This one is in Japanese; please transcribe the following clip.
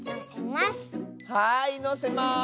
はいのせます！